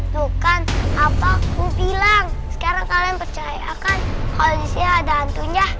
tuh kan apa aku bilang sekarang kalian percaya kan kalau di sini ada hantunya